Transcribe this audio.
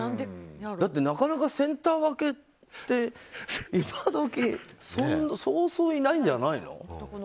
だって、なかなかセンター分けって今どき、そうそういないんじゃないの？